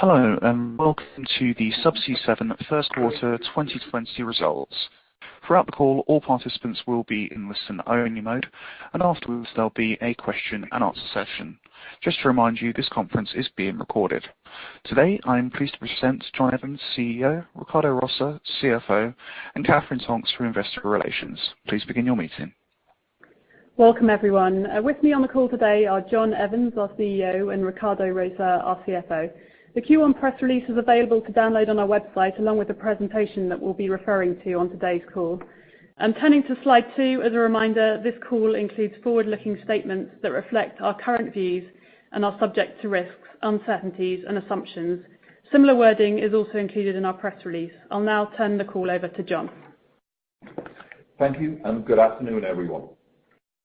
Hello, and welcome to the Subsea 7 first quarter 2020 results. Throughout the call, all participants will be in listen-only mode, and afterwards, there'll be a question and answer session. Just to remind you, this conference is being recorded. Today, I am pleased to present John Evans, CEO, Riccardo Rosa, CFO, and Katherine Tonks from Investor Relations. Please begin your meeting. Welcome, everyone. With me on the call today are John Evans, our CEO, and Riccardo Rosa, our CFO. The Q1 press release is available to download on our website, along with the presentation that we'll be referring to on today's call, and turning to Slide two, as a reminder, this call includes forward-looking statements that reflect our current views and are subject to risks, uncertainties and assumptions. Similar wording is also included in our press release. I'll now turn the call over to John. Thank you, and good afternoon, everyone.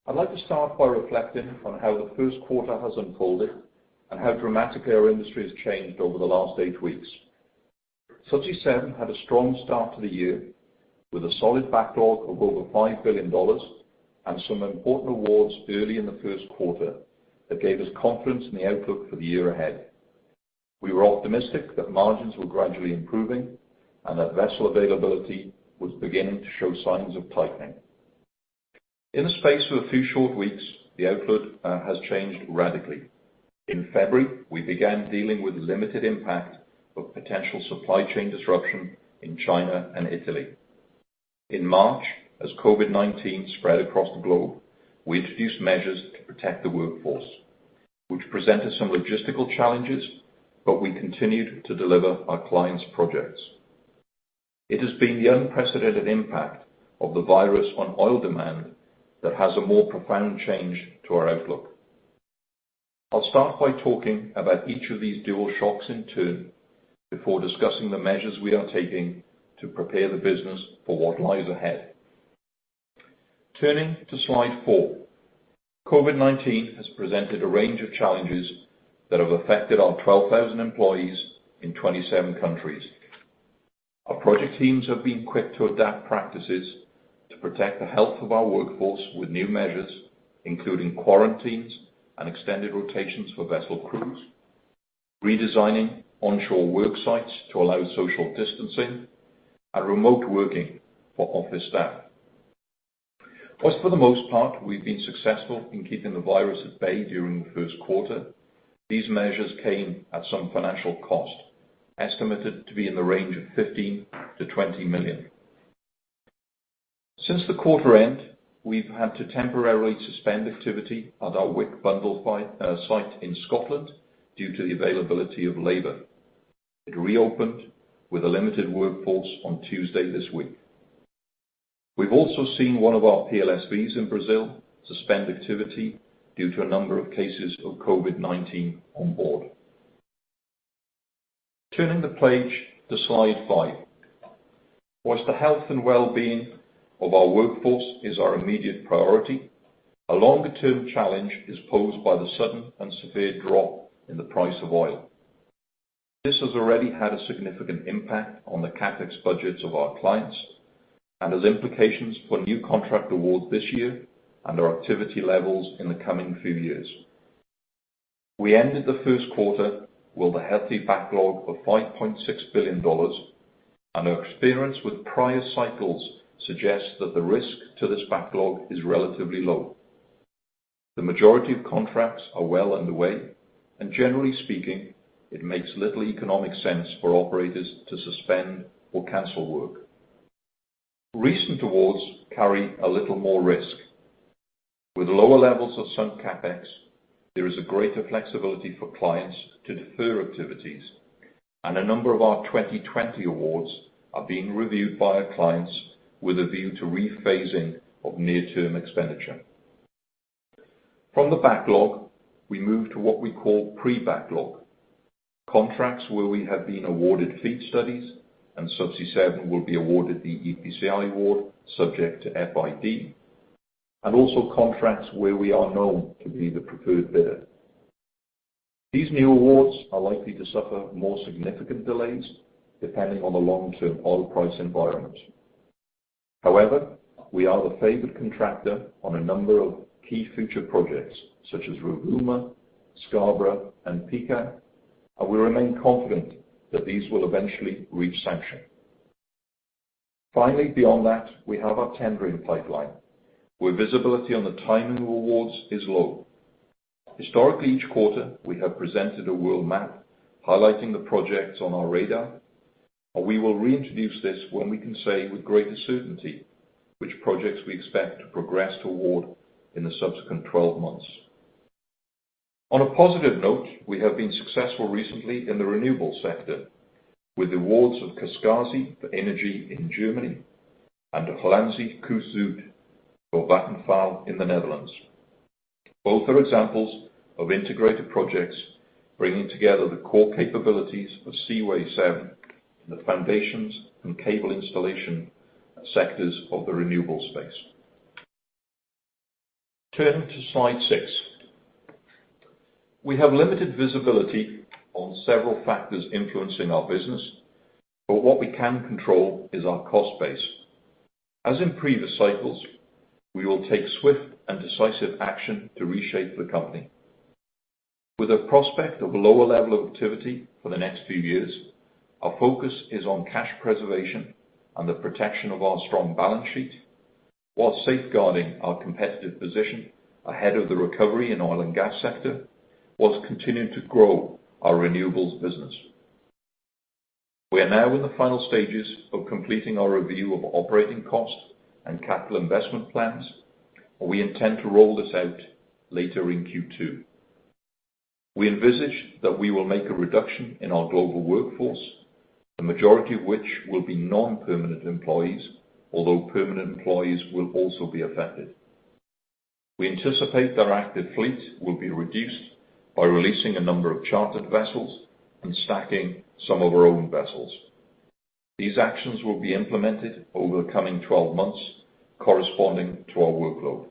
I'd like to start by reflecting on how the first quarter has unfolded and how dramatically our industry has changed over the last eight weeks. Subsea 7 had a strong start to the year, with a solid backlog of over $5 billion and some important awards early in the first quarter that gave us confidence in the outlook for the year ahead. We were optimistic that margins were gradually improving and that vessel availability was beginning to show signs of tightening. In the space of a few short weeks, the outlook has changed radically. In February, we began dealing with the limited impact of potential supply chain disruption in China and Italy. In March, as COVID-19 spread across the globe, we introduced measures to protect the workforce, which presented some logistical challenges, but we continued to deliver our clients' projects. It has been the unprecedented impact of the virus on oil demand that has a more profound change to our outlook. I'll start by talking about each of these dual shocks in turn before discussing the measures we are taking to prepare the business for what lies ahead. Turning to Slide four, COVID-19 has presented a range of challenges that have affected our 12,000 employees in 27 countries. Our project teams have been quick to adapt practices to protect the health of our workforce with new measures, including quarantines and extended rotations for vessel crews, redesigning onshore work sites to allow social distancing, and remote working for office staff. While for the most part, we've been successful in keeping the virus at bay during the first quarter, these measures came at some financial cost, estimated to be in the range of $15 million-$20 million. Since the quarter end, we've had to temporarily suspend activity at our Wick Bundle site in Scotland due to the availability of labor. It reopened with a limited workforce on Tuesday this week. We've also seen one of our PLSVs in Brazil suspend activity due to a number of cases of COVID-19 on board. Turning the page to Slide five. While the health and well-being of our workforce is our immediate priority, a longer-term challenge is posed by the sudden and severe drop in the price of oil. This has already had a significant impact on the CapEx budgets of our clients and has implications for new contract awards this year and our activity levels in the coming few years. We ended the first quarter with a healthy backlog of $5.6 billion, and our experience with prior cycles suggests that the risk to this backlog is relatively low. The majority of contracts are well underway, and generally speaking, it makes little economic sense for operators to suspend or cancel work. Recent awards carry a little more risk. With lower levels of some CapEx, there is a greater flexibility for clients to defer activities, and a number of our 2020 awards are being reviewed by our clients with a view to rephasing of near-term expenditure. From the backlog, we move to what we call pre-backlog. Contracts where we have been awarded FEED studies and Subsea 7 will be awarded the EPCI award, subject to FID, and also contracts where we are known to be the preferred bidder. These new awards are likely to suffer more significant delays, depending on the long-term oil price environment. However, we are the favored contractor on a number of key future projects, such as Rovuma, Scarborough, and Pecan, and we remain confident that these will eventually reach sanction. Finally, beyond that, we have our tendering pipeline, where visibility on the timing of awards is low. Historically, each quarter, we have presented a world map highlighting the projects on our radar, and we will reintroduce this when we can say with greater certainty which projects we expect to progress toward in the subsequent twelve months. On a positive note, we have been successful recently in the renewables sector, with the awards of Kaskasi for Innogy in Germany and Hollandse Kust Zuid for Vattenfall in the Netherlands. Both are examples of integrated projects, bringing together the core capabilities of Seaway 7 in the foundations and cable installation sectors of the renewables space. Turning to slide six. We have limited visibility on several factors influencing our business, but what we can control is our cost base. As in previous cycles, we will take swift and decisive action to reshape the company. With a prospect of a lower level of activity for the next few years, our focus is on cash preservation and the protection of our strong balance sheet, while safeguarding our competitive position ahead of the recovery in oil and gas sector, whilst continuing to grow our renewables business. We are now in the final stages of completing our review of operating costs and capital investment plans, and we intend to roll this out later in Q2. We envisage that we will make a reduction in our global workforce, the majority of which will be non-permanent employees, although permanent employees will also be affected. We anticipate that our active fleet will be reduced by releasing a number of chartered vessels and stacking some of our own vessels. These actions will be implemented over the coming twelve months, corresponding to our workload.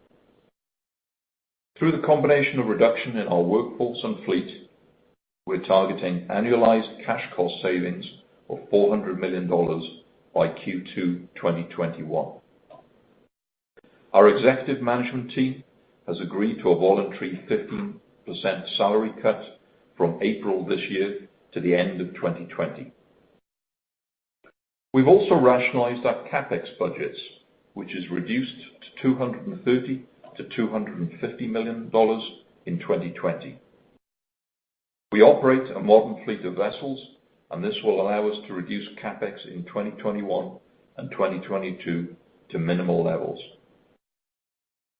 Through the combination of reduction in our workforce and fleet, we're targeting annualized cash cost savings of $400 million by Q2 2021. Our executive management team has agreed to a voluntary 15% salary cut from April this year to the end of 2020. We've also rationalized our CapEx budgets, which is reduced to $230 million-$250 million in 2020. We operate a modern fleet of vessels, and this will allow us to reduce CapEx in 2021 and 2022 to minimal levels.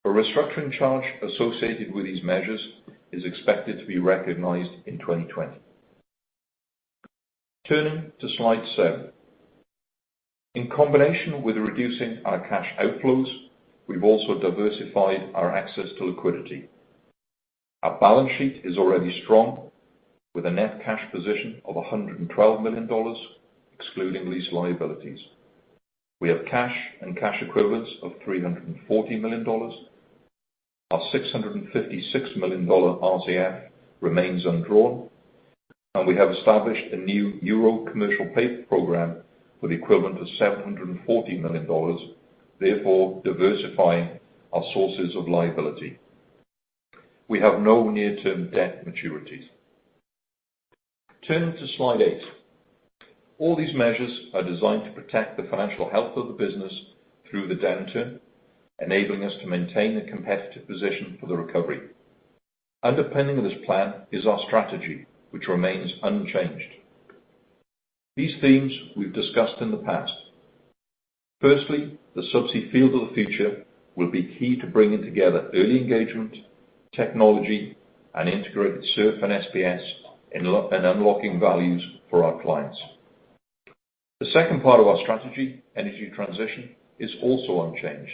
A restructuring charge associated with these measures is expected to be recognized in 2020. Turning to Slide 7. In combination with reducing our cash outflows, we've also diversified our access to liquidity. Our balance sheet is already strong, with a net cash position of $112 million, excluding lease liabilities. We have cash and cash equivalents of $340 million. Our $656 million RCF remains undrawn, and we have established a new Euro Commercial Paper program with equivalent to $740 million, therefore diversifying our sources of liability. We have no near-term debt maturities. Turning to Slide 8. All these measures are designed to protect the financial health of the business through the downturn, enabling us to maintain a competitive position for the recovery. Underpinning this plan is our strategy, which remains unchanged. These themes we've discussed in the past. Firstly, the Subsea Field of the Future will be key to bringing together early engagement, technology, and integrated SURF and SPS, and unlocking values for our clients. The second part of our strategy, energy transition, is also unchanged,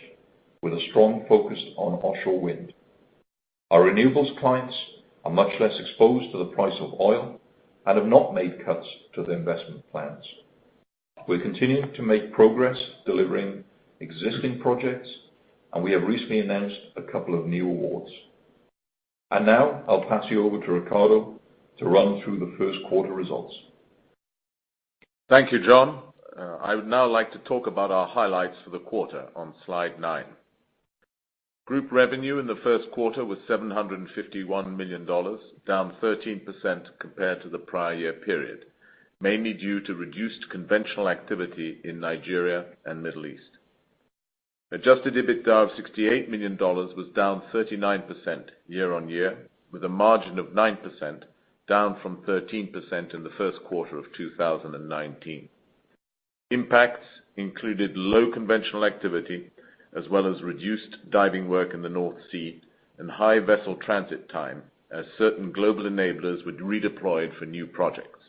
with a strong focus on offshore wind. Our renewables clients are much less exposed to the price of oil and have not made cuts to their investment plans. We're continuing to make progress delivering existing projects, and we have recently announced a couple of new awards. And now I'll pass you over to Riccardo to run through the first quarter results. Thank you, John. I would now like to talk about our highlights for the quarter on Slide 9. Group revenue in the first quarter was $751 million, down 13% compared to the prior year period, mainly due to reduced conventional activity in Nigeria and Middle East. Adjusted EBITDA of $68 million was down 39% year on year, with a margin of 9%, down from 13% in the first quarter of 2019. Impacts included low conventional activity, as well as reduced diving work in the North Sea and high vessel transit time, as certain global enablers were redeployed for new projects.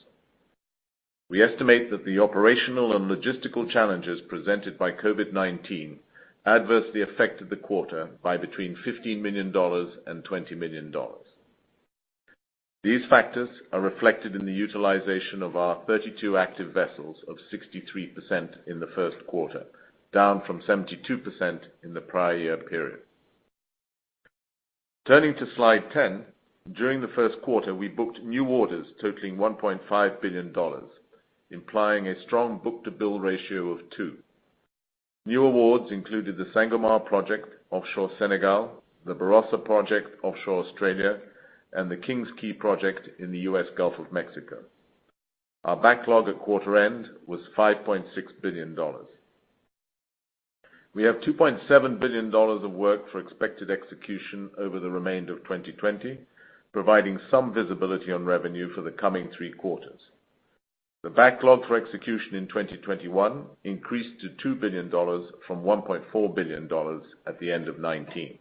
We estimate that the operational and logistical challenges presented by COVID-19 adversely affected the quarter by between $15 million and $20 million. These factors are reflected in the utilization of our 32 active vessels of 63% in the first quarter, down from 72% in the prior year period. Turning to Slide 10, during the first quarter, we booked new orders totaling $1.5 billion, implying a strong book-to-bill ratio of 2. New awards included the Sangomar project, offshore Senegal, the Barossa project, offshore Australia, and the King's Quay project in the U.S. Gulf of Mexico. Our backlog at quarter end was $5.6 billion. We have $2.7 billion of work for expected execution over the remainder of 2020, providing some visibility on revenue for the coming three quarters. The backlog for execution in 2021 increased to $2 billion from $1.4 billion at the end of 2019.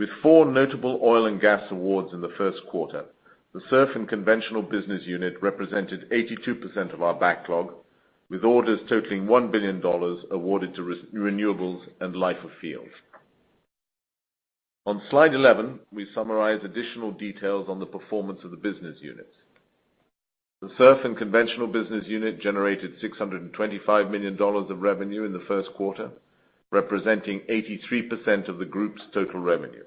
With 4 notable oil and gas awards in the first quarter, the SURF and Conventional Business Unit represented 82% of our backlog, with orders totaling $1 billion awarded to Renewables and life of field. On Slide 11, we summarize additional details on the performance of the business units. The SURF and Conventional Business Unit generated $625 million of revenue in the first quarter, representing 83% of the group's total revenue.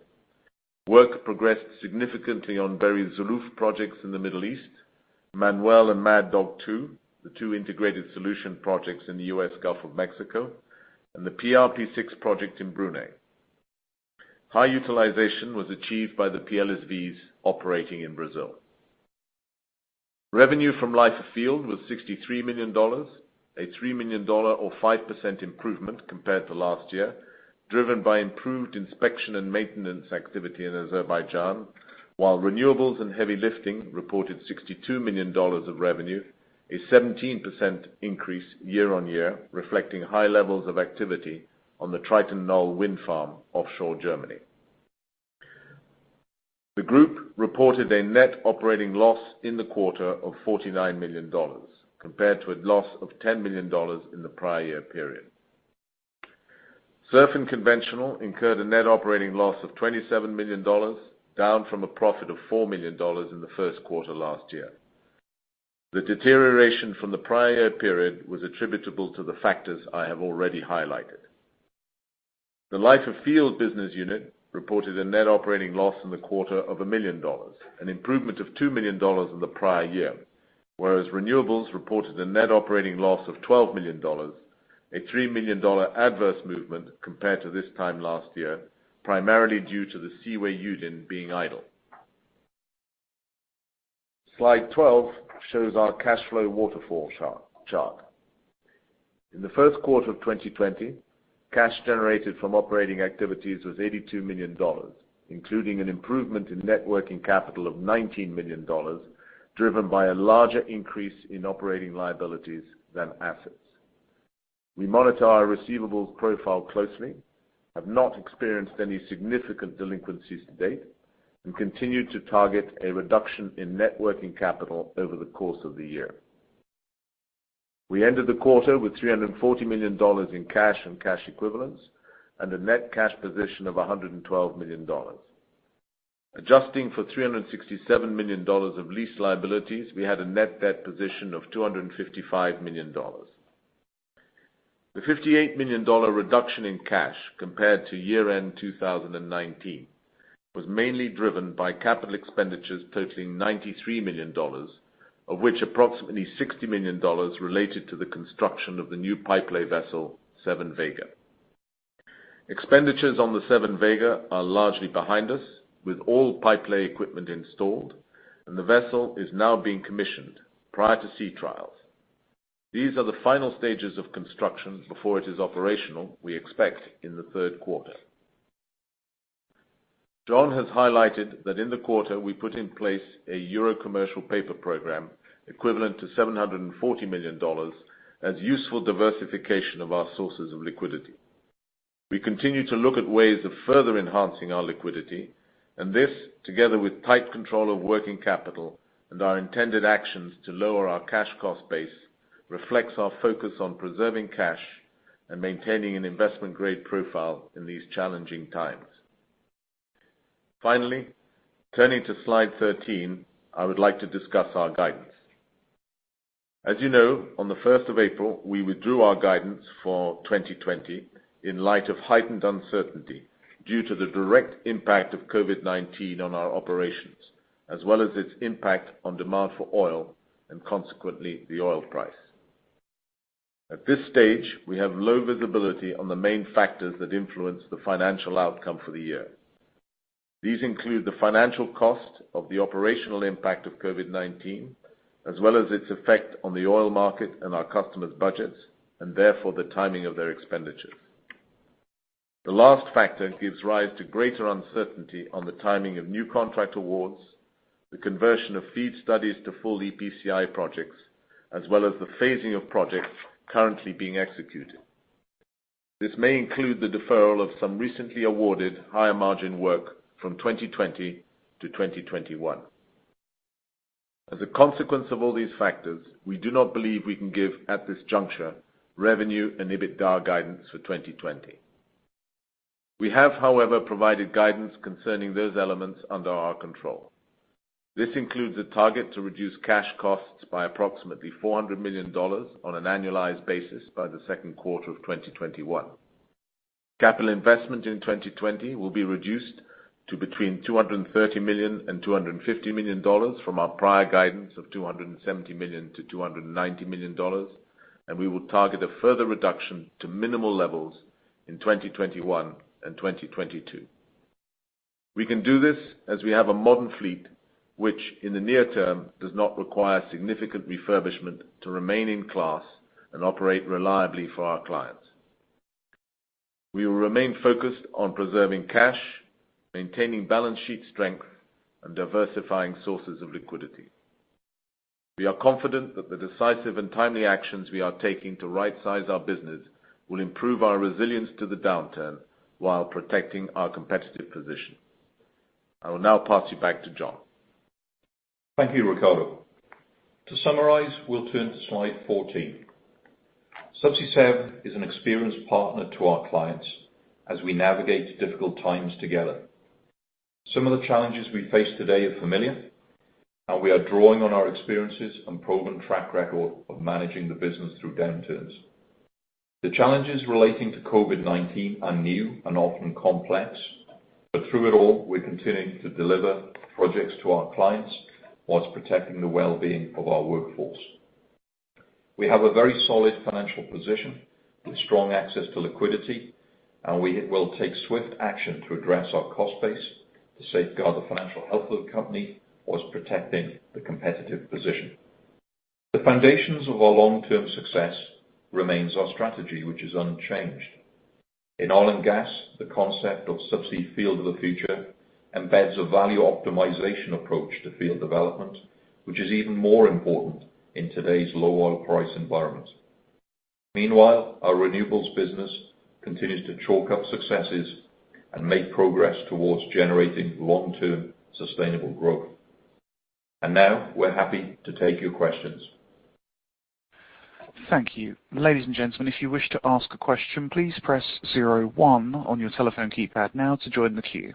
Work progressed significantly on various Zuluf projects in the Middle East, Manuel and Mad Dog 2, the two integrated solution projects in the U.S. Gulf of Mexico, and the PRP-6 project in Brunei. High utilization was achieved by the PLSVs operating in Brazil. Revenue from Life of Field was $63 million, a $3 million or 5% improvement compared to last year, driven by improved inspection and maintenance activity in Azerbaijan, while renewables and heavy lifting reported $62 million of revenue, a 17% increase year-on-year, reflecting high levels of activity on the Triton Knoll wind farm, offshore Germany. The group reported a net operating loss in the quarter of $49 million, compared to a loss of $10 million in the prior year period. SURF and Conventional incurred a net operating loss of $27 million, down from a profit of $4 million in the first quarter last year. The deterioration from the prior year period was attributable to the factors I have already highlighted. The Life of Field business unit reported a net operating loss in the quarter of $1 million, an improvement of $2 million in the prior year, whereas renewables reported a net operating loss of $12 million, a $3 million adverse movement compared to this time last year, primarily due to the Seaway Yudin being idle. Slide 12 shows our cash flow waterfall chart. In the first quarter of 2020, cash generated from operating activities was $82 million, including an improvement in net working capital of $19 million, driven by a larger increase in operating liabilities than assets. We monitor our receivables profile closely, have not experienced any significant delinquencies to date, and continue to target a reduction in net working capital over the course of the year. We ended the quarter with $340 million in cash and cash equivalents, and a net cash position of $112 million. Adjusting for $367 million of lease liabilities, we had a net debt position of $255 million. The $58 million reduction in cash compared to year-end 2019 was mainly driven by capital expenditures totaling $93 million, of which approximately $60 million related to the construction of the new pipelay vessel, Seven Vega. Expenditures on the Seven Vega are largely behind us, with all pipelay equipment installed, and the vessel is now being commissioned prior to sea trials. These are the final stages of construction before it is operational, we expect, in the third quarter. John has highlighted that in the quarter, we put in place a Euro Commercial Paper program equivalent to $740 million as useful diversification of our sources of liquidity. We continue to look at ways of further enhancing our liquidity, and this, together with tight control of working capital and our intended actions to lower our cash cost base, reflects our focus on preserving cash and maintaining an investment-grade profile in these challenging times. Finally, turning to slide 13, I would like to discuss our guidance. As you know, on the first of April, we withdrew our guidance for 2020 in light of heightened uncertainty due to the direct impact of COVID-19 on our operations, as well as its impact on demand for oil and consequently, the oil price. At this stage, we have low visibility on the main factors that influence the financial outcome for the year. These include the financial cost of the operational impact of COVID-19, as well as its effect on the oil market and our customers' budgets, and therefore, the timing of their expenditures. The last factor gives rise to greater uncertainty on the timing of new contract awards, the conversion of FEED studies to full EPCI projects, as well as the phasing of projects currently being executed. This may include the deferral of some recently awarded higher margin work from 2020 to 2021. As a consequence of all these factors, we do not believe we can give, at this juncture, revenue and EBITDA guidance for 2020. We have, however, provided guidance concerning those elements under our control. This includes a target to reduce cash costs by approximately $400 million on an annualized basis by the second quarter of 2021. Capital investment in 2020 will be reduced to between $230 million and $250 million from our prior guidance of $270 million to $290 million, and we will target a further reduction to minimal levels in 2021 and 2022. We can do this as we have a modern fleet, which, in the near term, does not require significant refurbishment to remain in class and operate reliably for our clients. We will remain focused on preserving cash, maintaining balance sheet strength, and diversifying sources of liquidity. We are confident that the decisive and timely actions we are taking to rightsize our business will improve our resilience to the downturn while protecting our competitive position. I will now pass you back to John. Thank you, Riccardo. To summarize, we'll turn to slide fourteen. Subsea 7 is an experienced partner to our clients as we navigate difficult times together. Some of the challenges we face today are familiar, and we are drawing on our experiences and proven track record of managing the business through downturns... The challenges relating to COVID-19 are new and often complex, but through it all, we're continuing to deliver projects to our clients whilst protecting the well-being of our workforce. We have a very solid financial position with strong access to liquidity, and we will take swift action to address our cost base to safeguard the financial health of the company whilst protecting the competitive position. The foundations of our long-term success remains our strategy, which is unchanged. In oil and gas, the concept of Subsea Field of the Future embeds a value optimization approach to field development, which is even more important in today's low oil price environment. Meanwhile, our renewables business continues to chalk up successes and make progress towards generating long-term sustainable growth, and now we're happy to take your questions. Thank you. Ladies and gentlemen, if you wish to ask a question, please press zero one on your telephone keypad now to join the queue.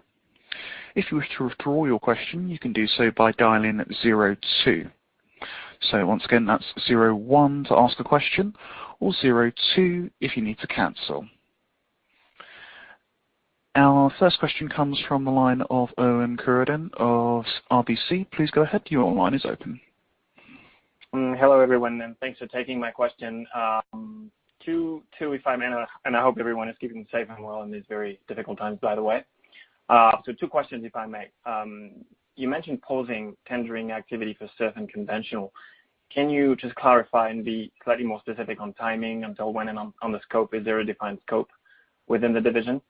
If you wish to withdraw your question, you can do so by dialing zero two. So once again, that's zero one to ask a question or zero two if you need to cancel. Our first question comes from the line of Owen Birrell of RBC Capital Markets. Please go ahead. Your line is open. Hello, everyone, and thanks for taking my question. Two if I may, and I hope everyone is keeping safe and well in these very difficult times, by the way, so two questions, if I may. You mentioned pausing tendering activity for certain conventional. Can you just clarify and be slightly more specific on timing, until when and on the scope? Is there a defined scope within the division?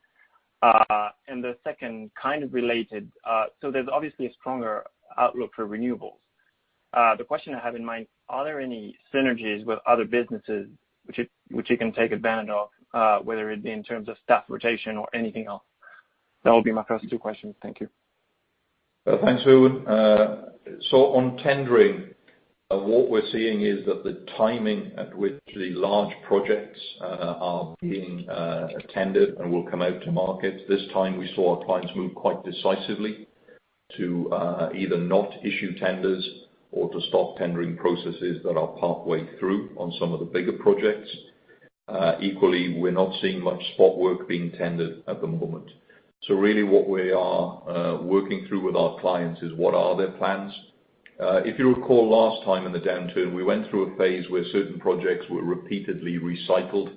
And the second, kind of related, so there's obviously a stronger outlook for renewables. The question I have in mind, are there any synergies with other businesses which you can take advantage of, whether it be in terms of staff rotation or anything else? That will be my first two questions. Thank you. Thanks, Owen. So on tendering, what we're seeing is that the timing at which the large projects are being tendered and will come out to market. This time we saw our clients move quite decisively to either not issue tenders or to stop tendering processes that are halfway through on some of the bigger projects. Equally, we're not seeing much spot work being tendered at the moment. So really, what we are working through with our clients is what are their plans? If you recall, last time in the downturn, we went through a phase where certain projects were repeatedly recycled,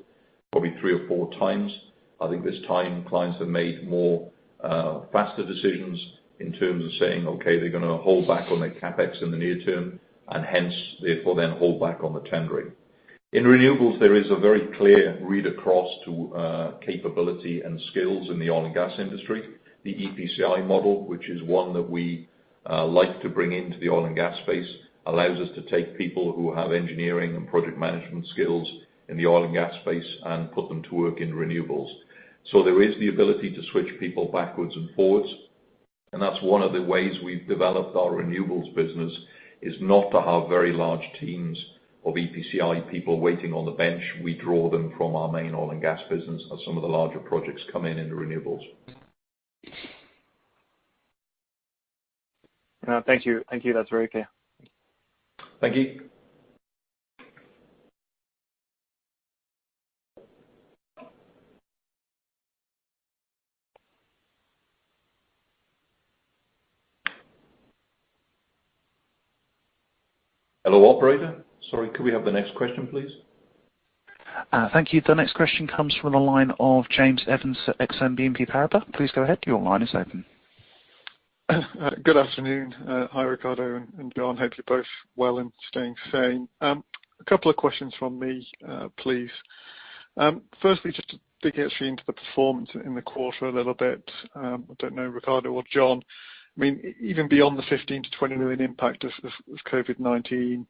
probably three or four times. I think this time, clients have made more, faster decisions in terms of saying, okay, they're gonna hold back on their CapEx in the near term, and hence, therefore, then hold back on the tendering. In renewables, there is a very clear read across to, capability and skills in the oil and gas industry. The EPCI model, which is one that we, like to bring into the oil and gas space, allows us to take people who have engineering and project management skills in the oil and gas space and put them to work in renewables. So there is the ability to switch people backwards and forwards, and that's one of the ways we've developed our renewables business, is not to have very large teams of EPCI people waiting on the bench. We draw them from our main oil and gas business as some of the larger projects come in, in the renewables. Thank you. Thank you. That's very clear. Thank you. Hello, operator. Sorry, could we have the next question, please? Thank you. The next question comes from the line of James Evans at Exane BNP Paribas. Please go ahead. Your line is open. Good afternoon. Hi, Riccardo and John. Hope you're both well and staying sane. A couple of questions from me, please. Firstly, just to dig actually into the performance in the quarter a little bit, I don't know, Riccardo or John, I mean, even beyond the $15 million-$20 million impact of COVID-19,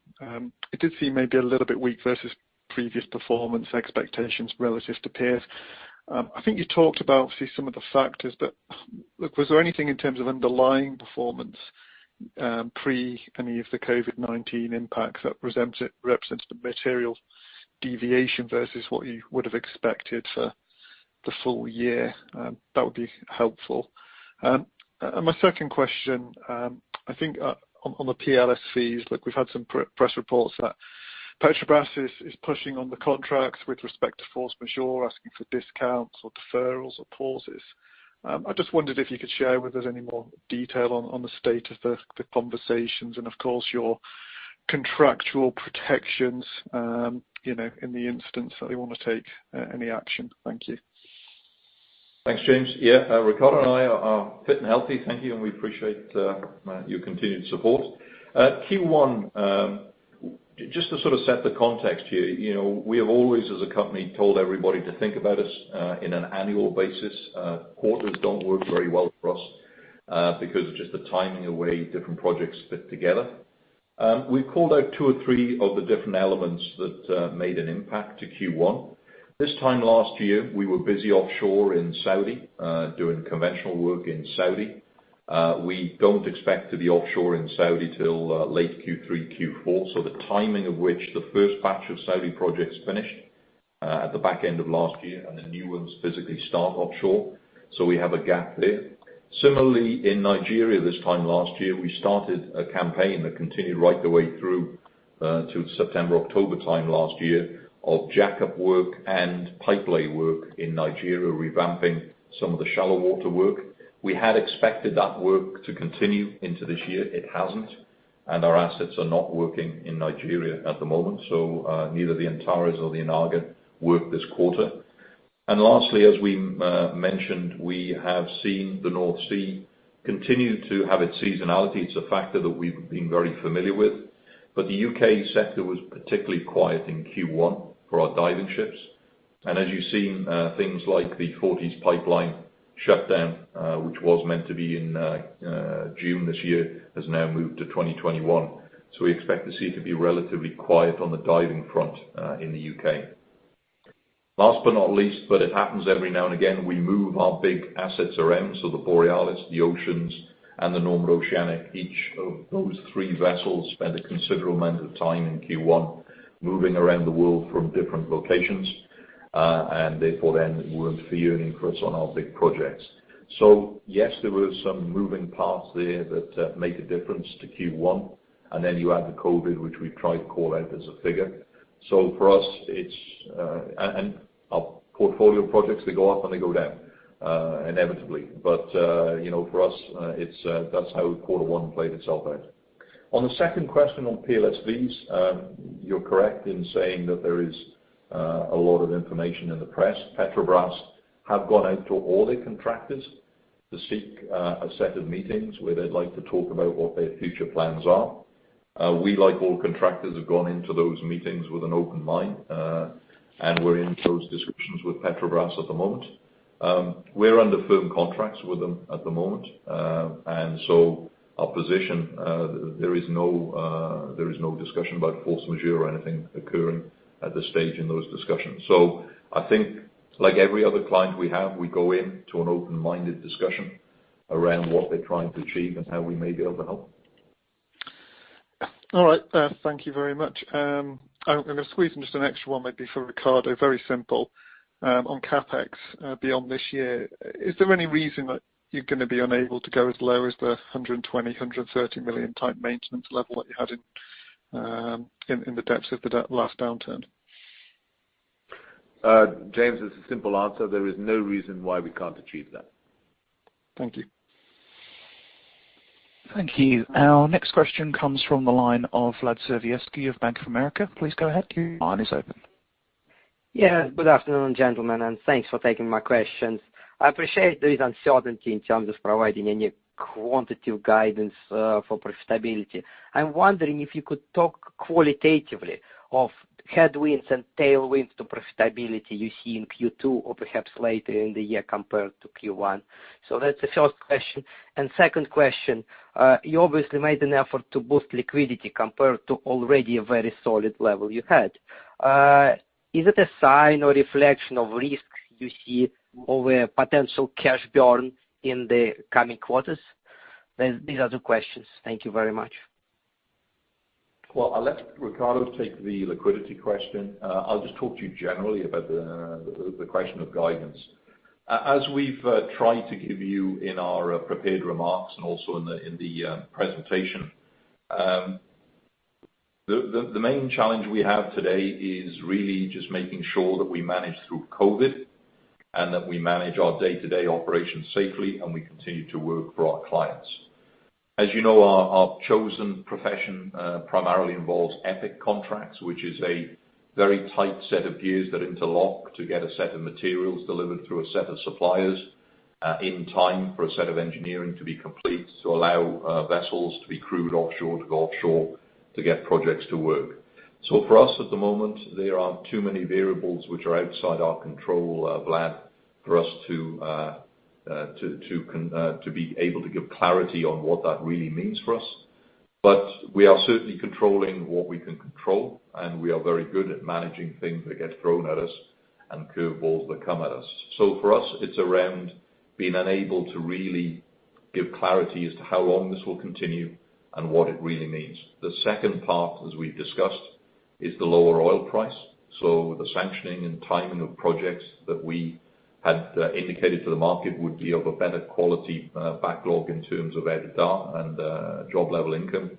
it did seem maybe a little bit weak versus previous performance expectations relative to peers. I think you talked about obviously some of the factors, but, look, was there anything in terms of underlying performance, pre any of the COVID-19 impacts that represents the material deviation versus what you would have expected for the full year? That would be helpful. And my second question, I think, on the PLSVs, look, we've had some press reports that Petrobras is pushing on the contracts with respect to force majeure, asking for discounts or deferrals or pauses. I just wondered if you could share with us any more detail on the state of the conversations and of course, your contractual protections, you know, in the instance that they want to take any action. Thank you. Thanks, James. Yeah, Ricardo and I are fit and healthy. Thank you, and we appreciate your continued support. Q1, just to sort of set the context here, you know, we have always, as a company, told everybody to think about us in an annual basis. Quarters don't work very well for us because of just the timing of the way different projects fit together. We called out two or three of the different elements that made an impact to Q1. This time last year, we were busy offshore in Saudi doing conventional work in Saudi. We don't expect to be offshore in Saudi till late Q3, Q4, so the timing of which the first batch of Saudi projects finished at the back end of last year, and the new ones physically start offshore. So we have a gap there. Similarly, in Nigeria, this time last year, we started a campaign that continued right the way through to September, October time last year, of jackup work and pipe lay work in Nigeria, revamping some of the shallow water work. We had expected that work to continue into this year. It hasn't, and our assets are not working in Nigeria at the moment, so neither the Antares or the Inagua worked this quarter. And lastly, as we mentioned, we have seen the North Sea continue to have its seasonality. It's a factor that we've been very familiar with. But the U.K. sector was particularly quiet in Q1 for our diving ships. And as you've seen, things like the Forties Pipeline System shutdown, which was meant to be in June this year, has now moved to 2021. So we expect the North Sea to be relatively quiet on the diving front, in the UK. Last but not least, but it happens every now and again, we move our big assets around, so the Borealis, the Oceans, and the Normand Oceanic. Each of those three vessels spent a considerable amount of time in Q1 moving around the world from different locations, and therefore they weren't earning for us on our big projects. So yes, there were some moving parts there that make a difference to Q1, and then you add the COVID, which we've tried to call out as a figure. So for us, it's. And our portfolio of projects, they go up and they go down, inevitably. But you know, for us, it's that's how quarter one played itself out. On the second question on PLSVs, you're correct in saying that there is a lot of information in the press. Petrobras have gone out to all their contractors to seek a set of meetings where they'd like to talk about what their future plans are. We, like all contractors, have gone into those meetings with an open mind, and we're in those discussions with Petrobras at the moment. We're under firm contracts with them at the moment, and so our position, there is no discussion about force majeure or anything occurring at this stage in those discussions. So I think like every other client we have, we go in to an open-minded discussion around what they're trying to achieve and how we may be able to help. All right, thank you very much. I'm gonna squeeze in just an extra one, maybe for Riccardo. Very simple. On CapEx, beyond this year, is there any reason that you're gonna be unable to go as low as the $120 million-$130 million type maintenance level that you had in the depths of the last downturn? James, it's a simple answer. There is no reason why we can't achieve that. Thank you. Thank you. Our next question comes from the line of Vlad Sergievskiy of Bank of America. Please go ahead, your line is open. Yeah, good afternoon, gentlemen, and thanks for taking my questions. I appreciate there is uncertainty in terms of providing any quantitative guidance for profitability. I'm wondering if you could talk qualitatively of headwinds and tailwinds to profitability you see in Q2 or perhaps later in the year compared to Q1. So that's the first question. And second question, you obviously made an effort to boost liquidity compared to already a very solid level you had. Is it a sign or reflection of risk you see or a potential cash burn in the coming quarters? These are the questions. Thank you very much. I'll let Ricardo take the liquidity question. I'll just talk to you generally about the question of guidance. As we've tried to give you in our prepared remarks and also in the presentation, the main challenge we have today is really just making sure that we manage through COVID and that we manage our day-to-day operations safely and we continue to work for our clients. As you know, our chosen profession primarily involves EPCI contracts, which is a very tight set of gears that interlock to get a set of materials delivered through a set of suppliers in time for a set of engineering to be complete, to allow vessels to be crewed offshore, to go offshore, to get projects to work. So for us, at the moment, there are too many variables which are outside our control, Vlad, for us to be able to give clarity on what that really means for us. But we are certainly controlling what we can control, and we are very good at managing things that get thrown at us and curveballs that come at us. So for us, it's around being unable to really give clarity as to how long this will continue and what it really means. The second part, as we've discussed, is the lower oil price. So the sanctioning and timing of projects that we had indicated to the market would be of a better quality backlog in terms of EBITDA and job level income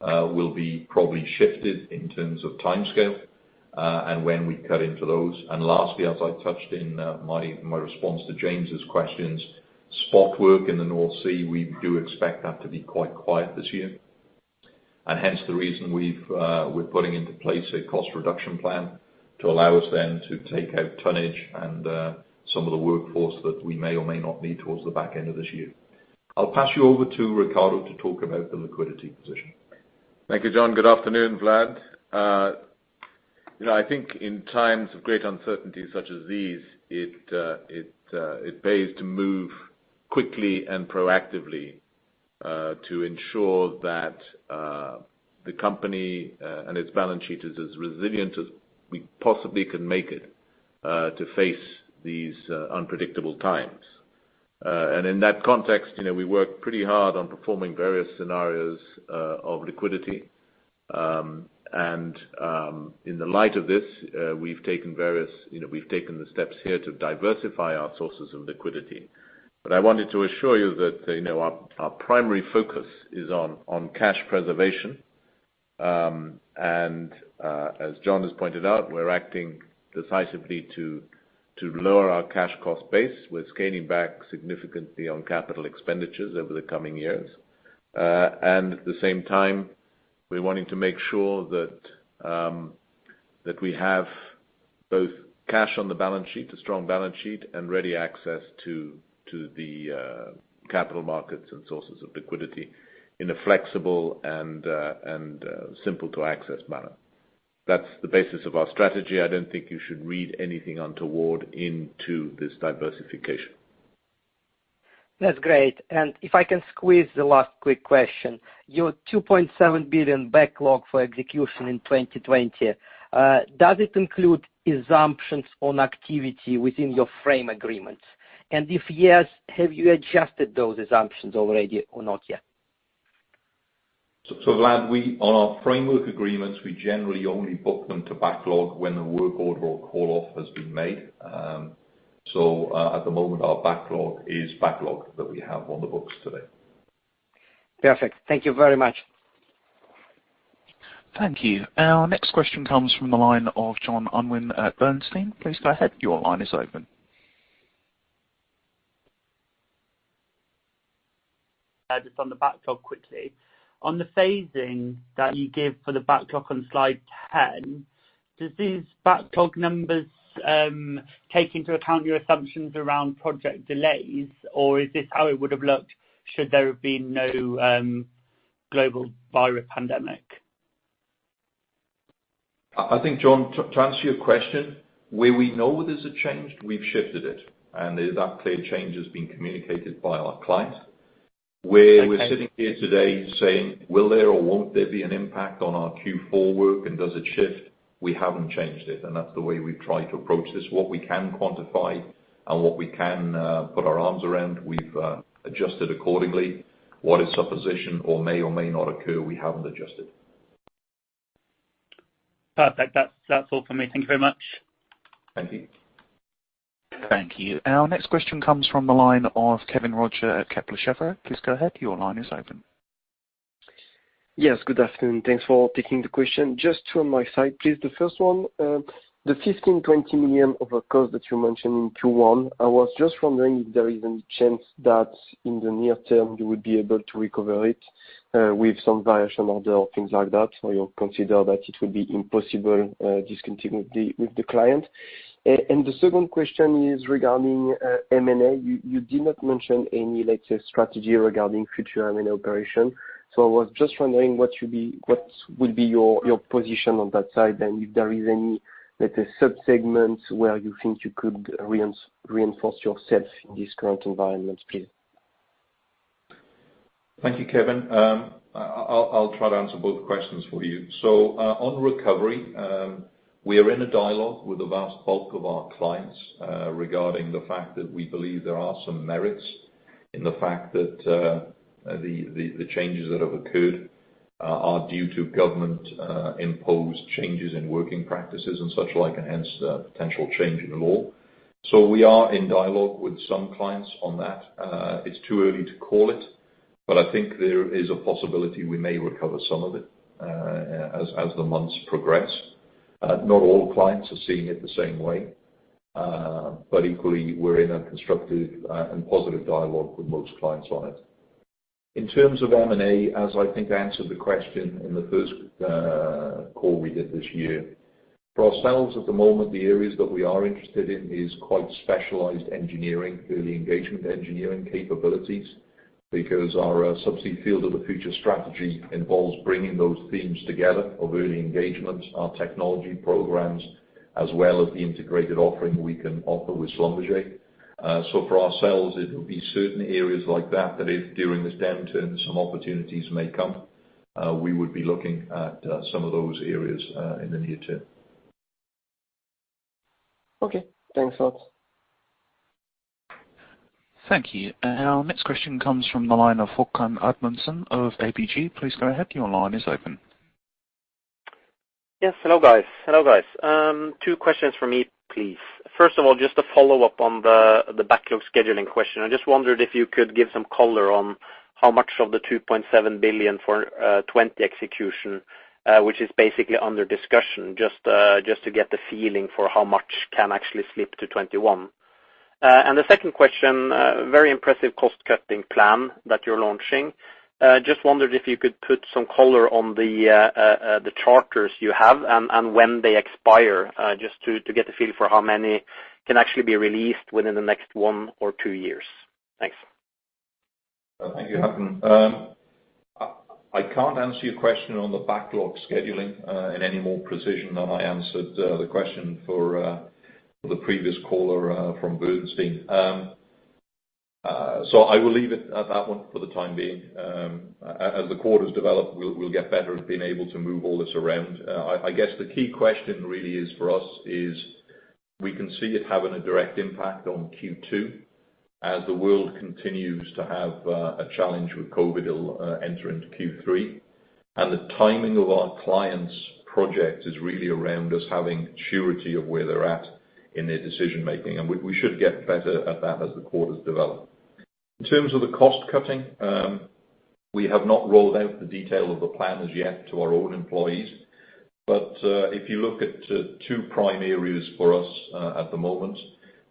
will be probably shifted in terms of timescale and when we cut into those. And lastly, as I touched in my response to James's questions, spot work in the North Sea, we do expect that to be quite quiet this year. Hence, the reason we're putting into place a cost reduction plan to allow us then to take out tonnage and some of the workforce that we may or may not need towards the back end of this year. I'll pass you over to Riccardo to talk about the liquidity position. Thank you, John. Good afternoon, Vlad. You know, I think in times of great uncertainty such as these, it pays to move quickly and proactively, to ensure that the company and its balance sheet is as resilient as we possibly can make it, to face these unpredictable times. And in that context, you know, we work pretty hard on performing various scenarios of liquidity. And, in the light of this, we've taken various, you know, we've taken the steps here to diversify our sources of liquidity. But I wanted to assure you that, you know, our primary focus is on cash preservation. And, as John has pointed out, we're acting decisively to lower our cash cost base. We're scaling back significantly on capital expenditures over the coming years. And at the same time, we're wanting to make sure that we have both cash on the balance sheet, a strong balance sheet, and ready access to the capital markets and sources of liquidity in a flexible and simple to access manner. That's the basis of our strategy. I don't think you should read anything untoward into this diversification. That's great. And if I can squeeze the last quick question, your $2.7 billion backlog for execution in 2020, does it include assumptions on activity within your frame agreements? And if yes, have you adjusted those assumptions already or not yet? So, Vlad, on our framework agreements, we generally only book them to backlog when the work order or call off has been made. So, at the moment, our backlog is backlog that we have on the books today. Perfect. Thank you very much. Thank you. Our next question comes from the line of Nicholas Green at Bernstein. Please go ahead. Your line is open. Just on the backlog quickly. On the phasing that you give for the backlog on slide 10, does these backlog numbers take into account your assumptions around project delays, or is this how it would have looked, should there have been no global virus pandemic? I think, John, to answer your question, where we know there's a change, we've shifted it, and if that clear change has been communicated by our client. Okay. Where we're sitting here today saying, will there or won't there be an impact on our Q4 work, and does it shift? We haven't changed it, and that's the way we've tried to approach this. What we can quantify and what we can put our arms around, we've adjusted accordingly. What is supposition or may or may not occur, we haven't adjusted. Perfect. That's all for me. Thank you very much. Thank you. Thank you. Our next question comes from the line of Kevin Roger at Kepler Cheuvreux. Please go ahead. Your line is open. Yes, good afternoon. Thanks for taking the question. Just two on my side, please. The first one, the $15 million-$20 million over cost that you mentioned in Q1, I was just wondering if there is any chance that in the near term you would be able to recover it with some variation order or things like that, or you consider that it would be impossible, discontinuity with the client? And the second question is regarding M&A. You did not mention any latest strategy regarding future M&A operation. So I was just wondering what should be, what would be your position on that side, and if there is any, like, subsegments where you think you could reinforce yourself in this current environment, please? Thank you, Kevin. I'll try to answer both questions for you. So, on recovery, we are in a dialogue with the vast bulk of our clients, regarding the fact that we believe there are some merits in the fact that the changes that have occurred are due to government imposed changes in working practices and such like, and hence, a potential change in law. So we are in dialogue with some clients on that. It's too early to call it, but I think there is a possibility we may recover some of it, as the months progress. Not all clients are seeing it the same way, but equally, we're in a constructive and positive dialogue with most clients on it. In terms of M&A, as I think I answered the question in the first call we did this year. For ourselves, at the moment, the areas that we are interested in is quite specialized engineering, early engagement engineering capabilities, because our Subsea Field of the Future strategy involves bringing those themes together of early engagement, our technology programs, as well as the integrated offering we can offer with Schlumberger. So for ourselves, it would be certain areas like that, that if during this downturn, some opportunities may come, we would be looking at some of those areas in the near term. Okay. Thanks a lot. Thank you. And our next question comes from the line of Haakon Amundsen of ABG Sundal Collier. Please go ahead. Your line is open. Yes, hello, guys. Hello, guys. Two questions for me, please. First of all, just to follow up on the backlog scheduling question. I just wondered if you could give some color on how much of the $2.7 billion for 2020 execution, which is basically under discussion, just to get the feeling for how much can actually slip to 2021. And the second question, very impressive cost-cutting plan that you're launching. Just wondered if you could put some color on the charters you have and when they expire, just to get a feel for how many can actually be released within the next one or two years. Thanks. Thank you, Haakon. I can't answer your question on the backlog scheduling in any more precision than I answered the question for the previous caller from Bernstein. So I will leave it at that one for the time being. As the quarters develop, we'll get better at being able to move all this around. I guess the key question really is for us is we can see it having a direct impact on Q2. As the world continues to have a challenge with COVID, it'll enter into Q3, and the timing of our clients' project is really around us having surety of where they're at in their decision making, and we should get better at that as the quarters develop. In terms of the cost cutting, we have not rolled out the detail of the plan as yet to our own employees, but if you look at two prime areas for us at the moment,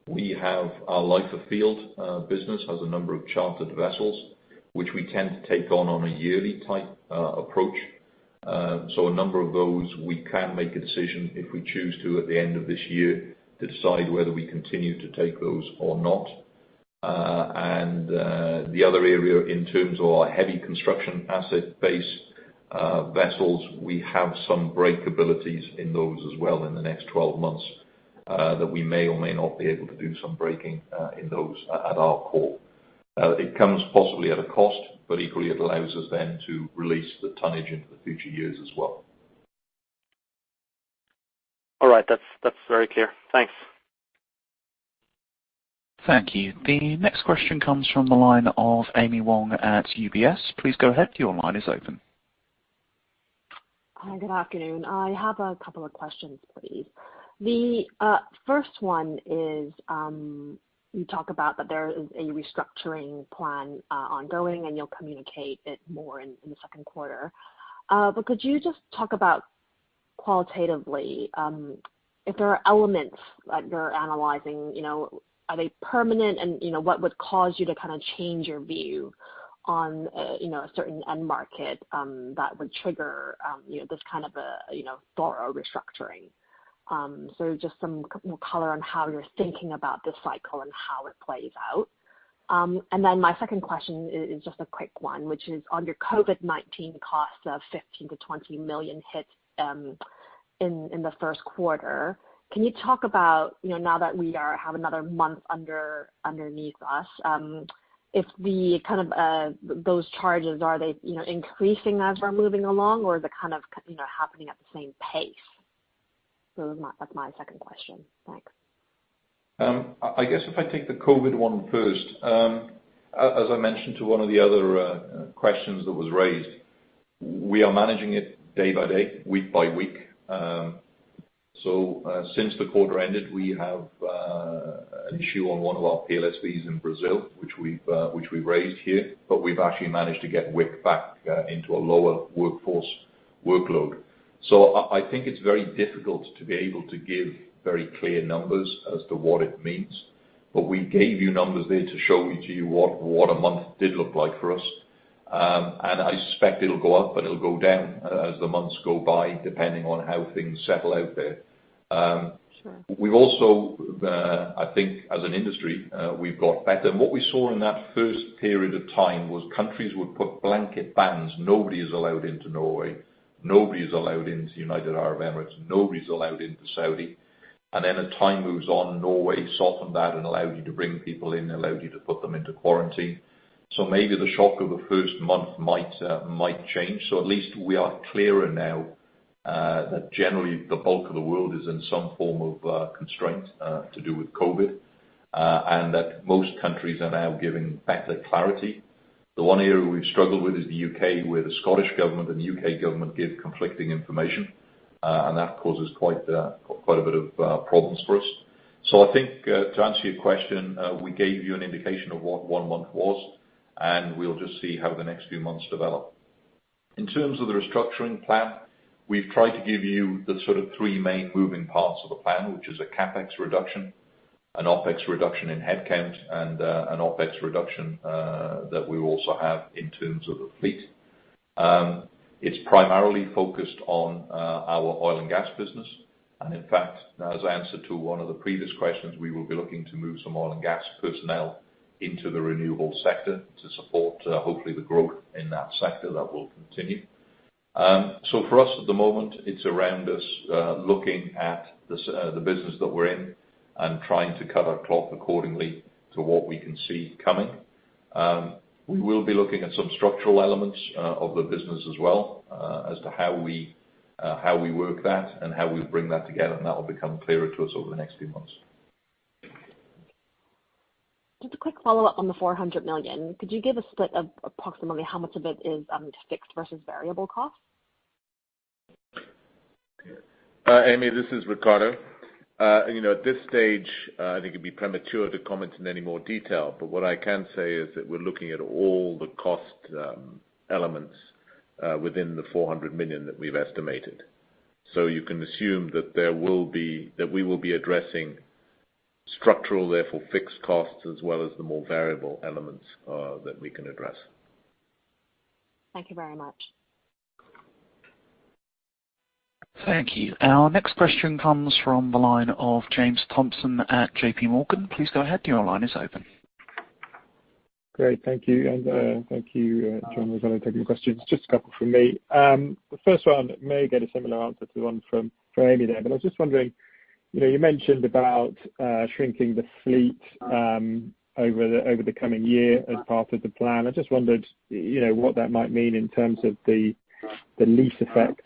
we have our life of field business has a number of chartered vessels, which we tend to take on on a yearly type approach, so a number of those we can make a decision, if we choose to, at the end of this year, to decide whether we continue to take those or not, and the other area, in terms of our heavy construction asset base vessels, we have some break options in those as well in the next 12 months, that we may or may not be able to do some breaking in those at our core. It comes possibly at a cost, but equally, it allows us then to release the tonnage into the future years as well. All right. That's, that's very clear. Thanks. Thank you. The next question comes from the line of Amy Wong at UBS. Please go ahead. Your line is open. Hi, good afternoon. I have a couple of questions, please. The first one is, you talk about that there is a restructuring plan ongoing, and you'll communicate it more in the second quarter. But could you just talk about qualitatively, if there are elements that you're analyzing, you know, are they permanent? And, you know, what would cause you to kind of change your view on, you know, a certain end market, that would trigger, you know, this kind of a thorough restructuring? So just some color on how you're thinking about this cycle and how it plays out. And then my second question is just a quick one, which is on your COVID-19 costs of $15 million-$20 million hit in the first quarter. Can you talk about, you know, now that we have another month under our belt, if those kind of charges are they, you know, increasing as we're moving along, or are they kind of, you know, happening at the same pace? So that's my second question. Thanks. I guess if I take the COVID one first, as I mentioned to one of the other questions that was raised, we are managing it day by day, week by week. Since the quarter ended, we have an issue on one of our PLSVs in Brazil, which we've raised here, but we've actually managed to get Wick back into a lower workforce workload. I think it's very difficult to be able to give very clear numbers as to what it means, but we gave you numbers there to show you what a month did look like for us. I suspect it'll go up, and it'll go down, as the months go by, depending on how things settle out there. Sure. We've also, I think, as an industry, we've got better. And what we saw in that first period of time was countries would put blanket bans. Nobody is allowed into Norway, nobody is allowed into United Arab Emirates, nobody's allowed into Saudi. And then as time moves on, Norway softened that and allowed you to bring people in, allowed you to put them into quarantine. So maybe the shock of the first month might change. So at least we are clearer now, that generally the bulk of the world is in some form of constraint to do with COVID, and that most countries are now giving better clarity. The one area we've struggled with is the U.K., where the Scottish government and the U.K. government give conflicting information, and that causes quite, quite a bit of problems for us. So I think, to answer your question, we gave you an indication of what one month was, and we'll just see how the next few months develop. In terms of the restructuring plan, we've tried to give you the sort of three main moving parts of the plan, which is a CapEx reduction, an OpEx reduction in headcount, and, an OpEx reduction, that we also have in terms of the fleet. It's primarily focused on our oil and gas business, and in fact, as I answered to one of the previous questions, we will be looking to move some oil and gas personnel into the renewable sector to support hopefully the growth in that sector that will continue. So for us, at the moment, it's around us looking at the business that we're in and trying to cut our cloth accordingly to what we can see coming. We will be looking at some structural elements of the business as well as to how we work that and how we bring that together, and that will become clearer to us over the next few months. Just a quick follow-up on the $400 million. Could you give a split of approximately how much of it is fixed versus variable cost? Amy, this is Riccardo. You know, at this stage, I think it'd be premature to comment in any more detail, but what I can say is that we're looking at all the cost elements within the $400 million that we've estimated. So you can assume that we will be addressing structural, therefore, fixed costs, as well as the more variable elements that we can address. Thank you very much. Thank you. Our next question comes from the line of James Thompson at JPMorgan. Please go ahead. Your line is open. Great, thank you, and, thank you, John, for taking the questions. Just a couple from me. The first one may get a similar answer to the one from Amy there, but I was just wondering, you know, you mentioned about shrinking the fleet over the coming year as part of the plan. I just wondered, you know, what that might mean in terms of the lease effect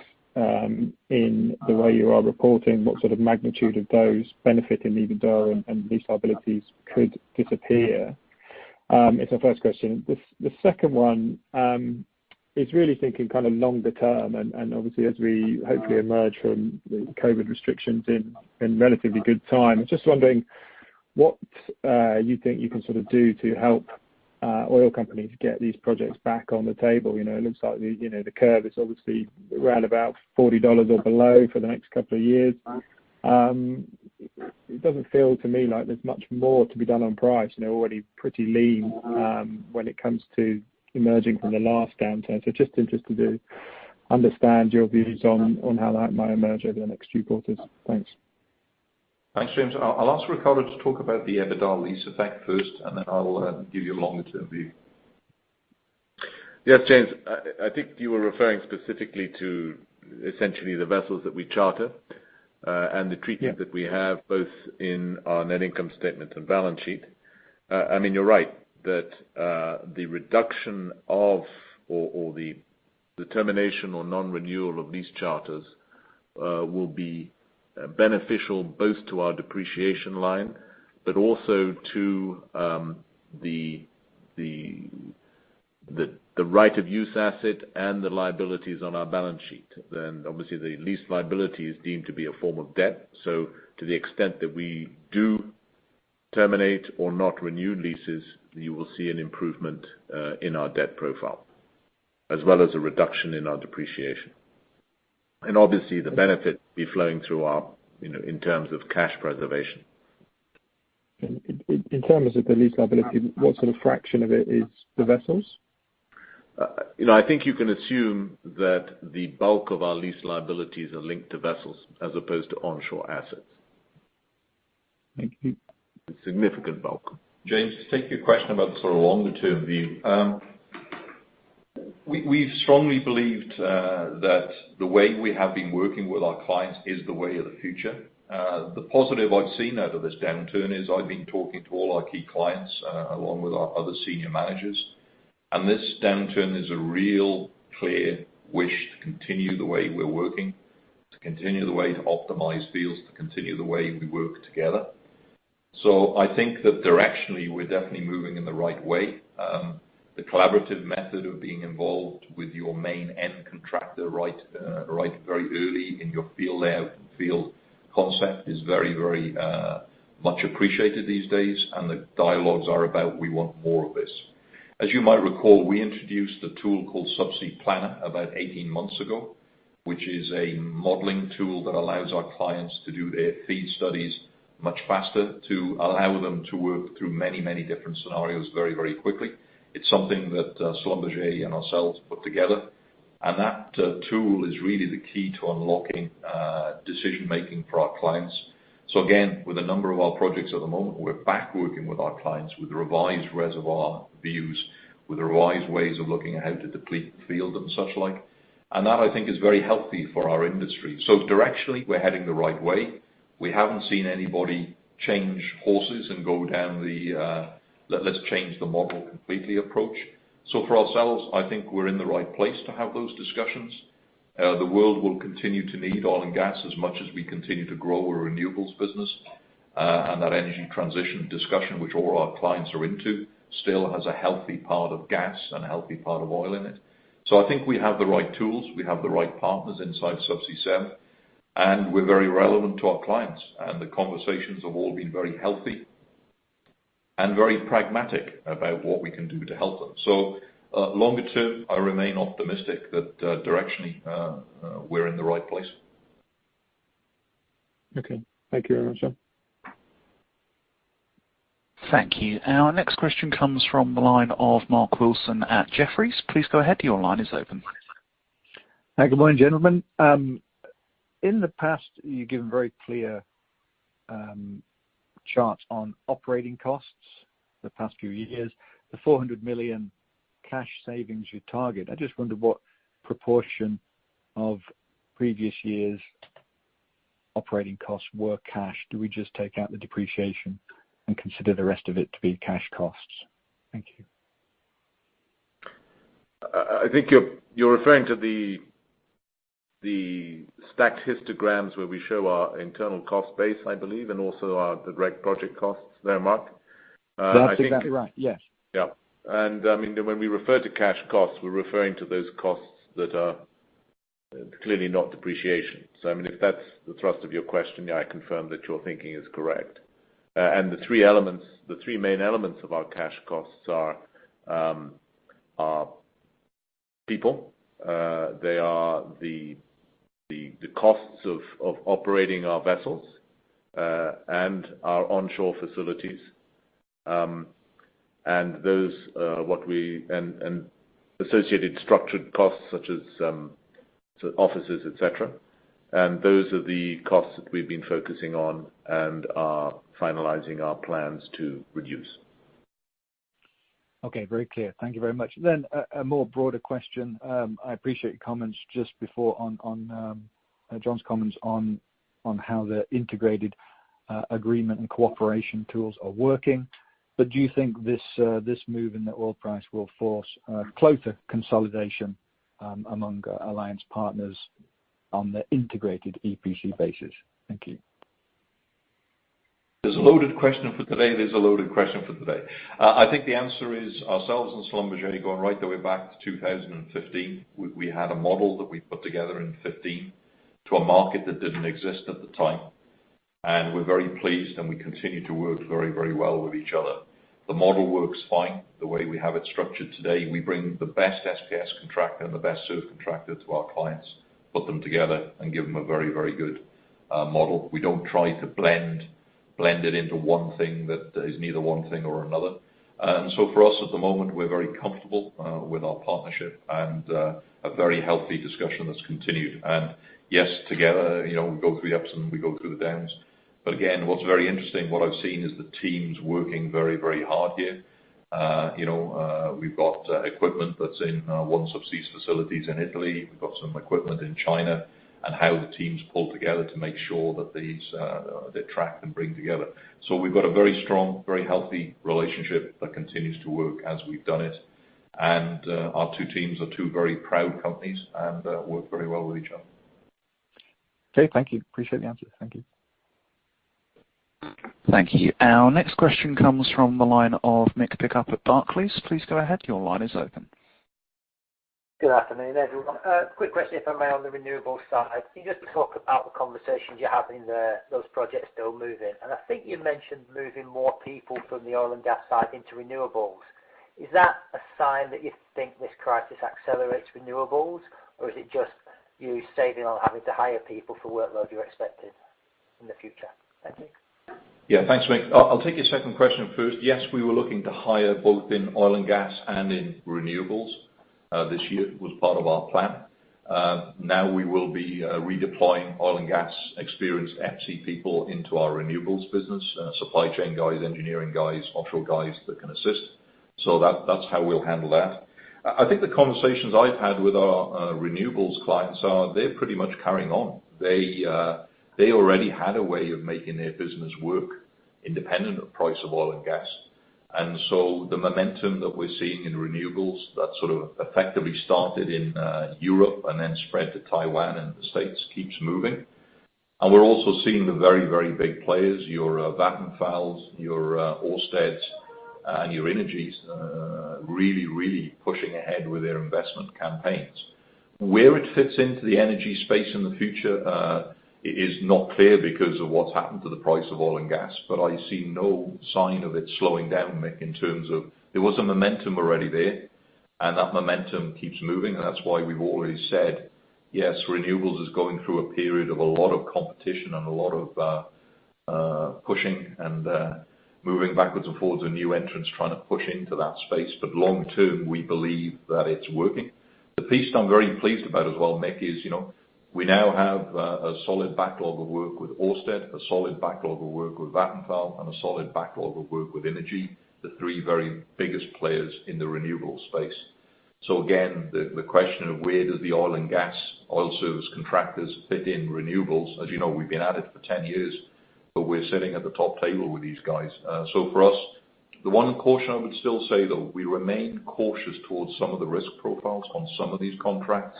in the way you are reporting, what sort of magnitude of those benefiting EBITDA and lease liabilities could disappear? It's our first question. The second one is really thinking kind of longer term and obviously as we hopefully emerge from the COVID restrictions in relatively good time, just wondering what you think you can sort of do to help oil companies get these projects back on the table? You know, it looks like the curve is obviously around about $40 or below for the next couple of years. It doesn't feel to me like there's much more to be done on price. You know, already pretty lean, when it comes to emerging from the last downturn. So just interested to understand your views on how that might emerge over the next few quarters. Thanks. Thanks, James. I'll ask Riccardo to talk about the EBITDA lease effect first, and then I'll give you a longer term view. Yes, James, I think you were referring specifically to essentially the vessels that we charter, and the treatment. Yeah. That we have both in our net income statement and balance sheet. I mean, you're right, that the reduction or the determination or non-renewal of these charters will be beneficial both to our depreciation line, but also to the right of use asset and the liabilities on our balance sheet, then obviously, the lease liability is deemed to be a form of debt, so to the extent that we do terminate or not renew leases, you will see an improvement in our debt profile, as well as a reduction in our depreciation, and obviously, the benefit will be flowing through our, you know, in terms of cash preservation. In terms of the lease liability, what sort of fraction of it is the vessels? You know, I think you can assume that the bulk of our lease liabilities are linked to vessels as opposed to onshore assets. Thank you. Significant bulk. James, to take your question about the sort of longer term view. We've strongly believed that the way we have been working with our clients is the way of the future. The positive I've seen out of this downturn is I've been talking to all our key clients, along with our other senior managers, and this downturn is a real clear wish to continue the way we're working, to continue the way to optimize fields, to continue the way we work together. So I think that directionally, we're definitely moving in the right way. The collaborative method of being involved with your main end contractor right, very early in your field layout and field concept is very, very much appreciated these days, and the dialogues are about, we want more of this. As you might recall, we introduced a tool called Subsea Planner about eighteen months ago, which is a modeling tool that allows our clients to do their feed studies much faster, to allow them to work through many, many different scenarios very, very quickly. It's something that Schlumberger and ourselves put together, and that tool is really the key to unlocking decision-making for our clients. So again, with a number of our projects at the moment, we're back working with our clients with revised reservoir views, with revised ways of looking at how to deplete the field and such like, and that, I think, is very healthy for our industry. So directionally, we're heading the right way. We haven't seen anybody change horses and go down the let's change the model completely approach. So for ourselves, I think we're in the right place to have those discussions. The world will continue to need oil and gas as much as we continue to grow our renewables business. And that energy transition discussion, which all our clients are into, still has a healthy part of gas and a healthy part of oil in it. So I think we have the right tools, we have the right partners inside Subsea 7, and we're very relevant to our clients, and the conversations have all been very healthy and very pragmatic about what we can do to help them. So, longer term, I remain optimistic that, directionally, we're in the right place. Okay. Thank you very much, sir. Thank you. Our next question comes from the line of Mark Wilson at Jefferies. Please go ahead. Your line is open. Hi, good morning, gentlemen. In the past, you've given very clear charts on operating costs the past few years, the $400 million cash savings you target. I just wonder what proportion of previous years' operating costs were cash? Do we just take out the depreciation and consider the rest of it to be cash costs? Thank you. I think you're referring to the stacked histograms, where we show our internal cost base, I believe, and also our direct project costs there, Mark? That's exactly right, yes. Yeah, and I mean, when we refer to cash costs, we're referring to those costs that are clearly not depreciation. So I mean, if that's the thrust of your question, I confirm that your thinking is correct, and the three elements, the three main elements of our cash costs are people, they are the costs of operating our vessels and our onshore facilities, and those associated structured costs, such as offices, et cetera. Those are the costs that we've been focusing on and are finalizing our plans to reduce. Okay, very clear. Thank you very much. Then a more broader question. I appreciate your comments just before on John's comments on how the integrated agreement and cooperation tools are working. But do you think this move in the oil price will force closer consolidation among alliance partners on the integrated EPC basis? Thank you. There's a loaded question for today. I think the answer is ourselves and Schlumberger going right the way back to 2015. We had a model that we put together in 2015 to a market that didn't exist at the time, and we're very pleased, and we continue to work very, very well with each other. The model works fine the way we have it structured today. We bring the best SPS contractor and the best service contractor to our clients, put them together, and give them a very, very good model. We don't try to blend it into one thing that is neither one thing or another. And so for us, at the moment, we're very comfortable with our partnership and a very healthy discussion that's continued. And yes, together, you know, we go through the ups, and we go through the downs. But again, what's very interesting, what I've seen, is the teams working very, very hard here. You know, we've got equipment that's in OneSubsea facilities in Italy. We've got some equipment in China, and how the teams pull together to make sure that these they track and bring together. So we've got a very strong, very healthy relationship that continues to work as we've done it, and our two teams are two very proud companies and work very well with each other. Okay, thank you. Appreciate the answer. Thank you. Thank you. Our next question comes from the line of Mick Pickup at Barclays. Please go ahead. Your line is open. Good afternoon, everyone. Quick question, if I may, on the renewables side. You just talked about the conversations you're having there, those projects still moving, and I think you mentioned moving more people from the oil and gas side into renewables. Is that a sign that you think this crisis accelerates renewables, or is it just you saving on having to hire people for workload you expected in the future? Thank you. Yeah. Thanks, Mick. I'll take your second question first. Yes, we were looking to hire both in oil and gas and in renewables this year. It was part of our plan. Now we will be redeploying oil and gas experienced EPC people into our renewables business, supply chain guys, engineering guys, offshore guys that can assist. So that's how we'll handle that. I think the conversations I've had with our renewables clients is that they're pretty much carrying on. They already had a way of making their business work independent of price of oil and gas. And so the momentum that we're seeing in renewables, that sort of effectively started in Europe and then spread to Taiwan and the States, keeps moving. And we're also seeing the very, very big players, your Vattenfall, your Ørsted, and your energies, really, really pushing ahead with their investment campaigns. Where it fits into the energy space in the future, it is not clear because of what's happened to the price of oil and gas, but I see no sign of it slowing down, Mick, in terms of. There was a momentum already there, and that momentum keeps moving, and that's why we've already said, yes, renewables is going through a period of a lot of competition and a lot of pushing and moving backwards and forwards and new entrants trying to push into that space, but long term, we believe that it's working. The piece that I'm very pleased about as well, Mick, is, you know, we now have a solid backlog of work with Ørsted, a solid backlog of work with Vattenfall, and a solid backlog of work with innogy, the three very biggest players in the renewable space. So again, the question of where does the oil and gas, oil service contractors fit in renewables? As you know, we've been at it for ten years, but we're sitting at the top table with these guys. So for us, the one caution I would still say, though, we remain cautious towards some of the risk profiles on some of these contracts,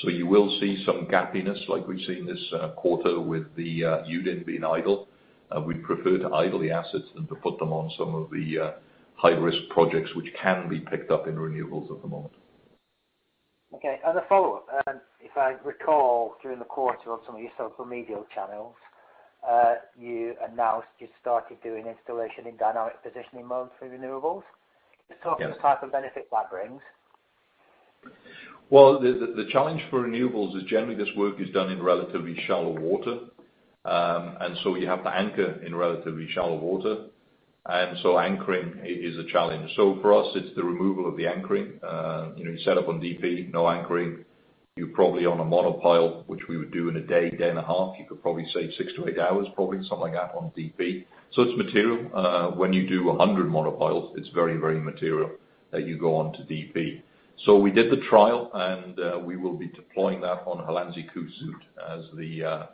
so you will see some gappiness, like we've seen this quarter with the Yudin being idle. We'd prefer to idle the assets than to put them on some of the high-risk projects, which can be picked up in renewables at the moment. Okay, and a follow-up. If I recall, during the quarter on some of your social media channels, you announced you started doing installation in dynamic positioning mode for renewables. Yes. Just talk to the type of benefit that brings. The challenge for renewables is generally this work is done in relatively shallow water. And so you have to anchor in relatively shallow water, and so anchoring is a challenge. So for us, it's the removal of the anchoring. You know, you set up on DP, no anchoring. You're probably on a monopile, which we would do in a day, day and a half. You could probably save six to eight hours, probably something like that, on DP. So it's material. When you do 100 monopiles, it's very, very material that you go on to DP. So we did the trial, and we will be deploying that on Hollandse Kust Zuid as the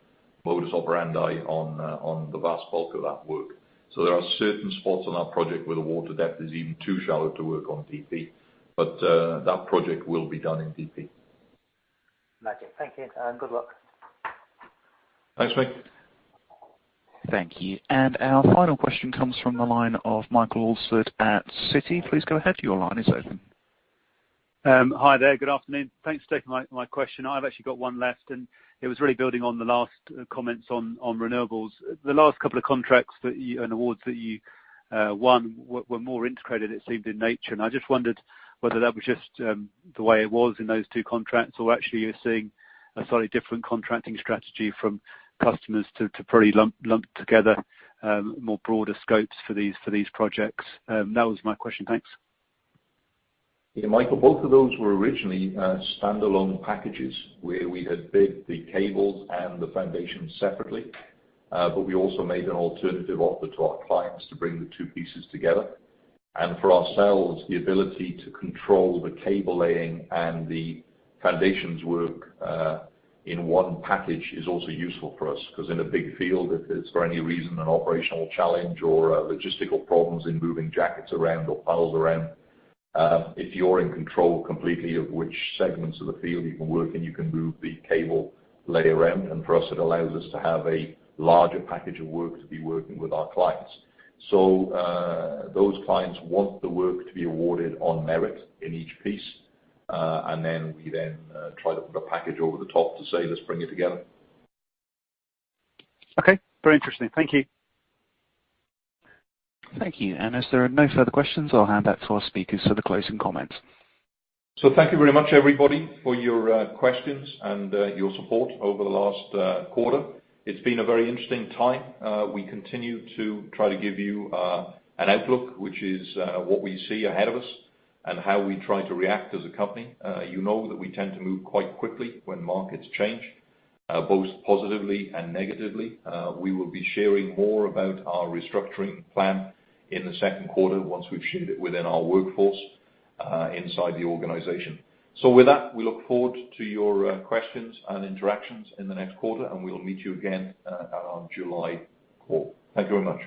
modus operandi on the vast bulk of that work. There are certain spots on our project where the water depth is even too shallow to work on DP, but that project will be done in DP. Got you. Thank you, and good luck. Thanks, Mick. Thank you. And our final question comes from the line of Michael Alsford at Citi. Please go ahead. Your line is open. Hi there. Good afternoon. Thanks for taking my question. I've actually got one last, and it was really building on the last comments on renewables. The last couple of contracts that you and awards that you won were more integrated, it seemed, in nature, and I just wondered whether that was just the way it was in those two contracts, or actually, you're seeing a slightly different contracting strategy from customers to probably lump together more broader scopes for these projects. That was my question. Thanks. Yeah, Michael, both of those were originally standalone packages where we had bid the cables and the foundations separately, but we also made an alternative offer to our clients to bring the two pieces together. And for ourselves, the ability to control the cable laying and the foundations work in one package is also useful for us, 'cause in a big field, if there's, for any reason, an operational challenge or logistical problems in moving jackets around or piles around, if you're in control completely of which segments of the field you can work in, you can move the cable layer around. And for us, it allows us to have a larger package of work to be working with our clients. Those clients want the work to be awarded on merit in each piece, and then we try to put a package over the top to say, "Let's bring it together Okay. Very interesting. Thank you. Thank you. As there are no further questions, I'll hand back to our speakers for the closing comments. So thank you very much, everybody, for your questions and your support over the last quarter. It's been a very interesting time. We continue to try to give you an outlook, which is what we see ahead of us and how we try to react as a company. You know that we tend to move quite quickly when markets change both positively and negatively. We will be sharing more about our restructuring plan in the second quarter once we've shared it within our workforce inside the organization. So with that, we look forward to your questions and interactions in the next quarter, and we'll meet you again on our July call. Thank you very much.